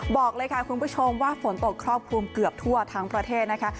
บอกเลยค่ะคุณผู้ชมว่าฝนตกครอบคลุมเกือบทั่วทั้งประเทศนะคะ